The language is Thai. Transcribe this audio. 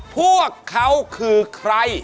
พวกเขาคือใคร